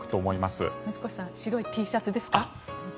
水越さん白いＴシャツですか？